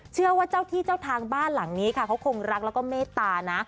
เชื่อว่าเจ้าที่เจ้าทางบ้านหลังนี้ค่ะเขาคงรักแล้วก็เมตตานะ